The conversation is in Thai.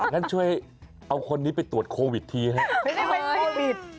งั้นช่วยเอาคนนี้ไปตรวจโควิดทีให้